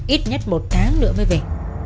ít nhất một tháng nữa mới về